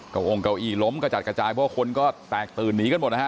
เก้าองเก้าอี้ล้มกระจัดกระจายเพราะคนก็แตกตื่นหนีกันหมดนะฮะ